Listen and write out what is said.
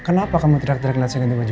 kenapa kamu terak terak nasi ganteng baju